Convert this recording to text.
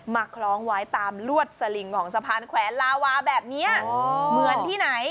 คล้องไว้ตามลวดสลิงของสะพานแขวนลาวาแบบนี้เหมือนที่ไหน